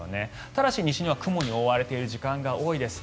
ただし、西日本は雲に覆われている時間が多いです。